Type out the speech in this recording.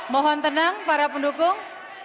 mohon tenang para pendukung